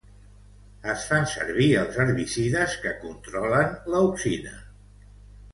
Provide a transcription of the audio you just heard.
Es fan servir els herbicides que controlen l'auxina.